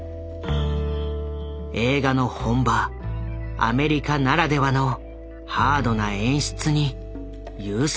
映画の本場アメリカならではのハードな演出に優作は。